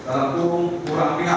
dan pun kurang pihak